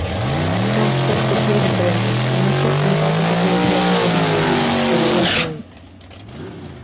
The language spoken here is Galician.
Son perspectivas diferentes, e niso empato co que dicía a señora Cimadevila, evidentemente.